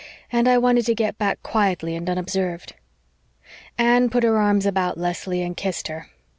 And I wanted to get back quietly and unobserved." Anne put her arms about Leslie and kissed her.